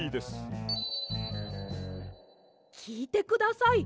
きいてください。